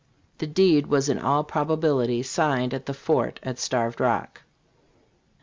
* The deed was in all probability signed at the fort at Starved Rock.